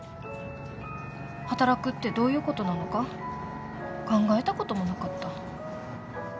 働くってどういうことなのか考えたこともなかった。